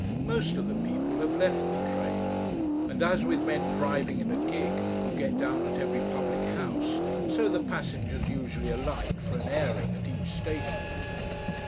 Most of the people have left the train. And as with men driving in a gig, who get down at every public house, so the passengers usually alight for an airing at each station.